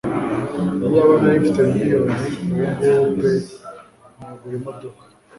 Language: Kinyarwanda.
Iyaba nari mfite miliyoni ubungubu pe nagura imodoka